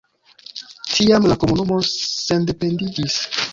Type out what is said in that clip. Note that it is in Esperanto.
Tiam la komunumo sendependiĝis.